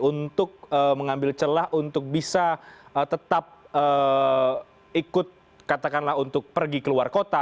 untuk mengambil celah untuk bisa tetap ikut katakanlah untuk pergi ke luar kota